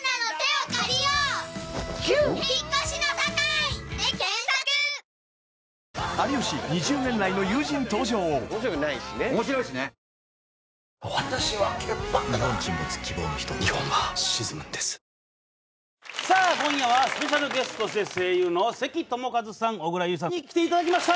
開催さあ今夜はスペシャルゲストとして声優の関智一さん小倉唯さんに来ていただきました